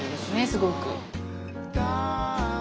すごく。